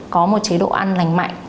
có một chế độ ăn lành mạnh